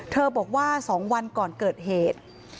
บอกว่า๒วันก่อนเกิดเหตุ